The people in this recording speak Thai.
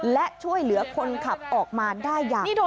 และช่วยเหลือคนขับออกมาได้อย่างดี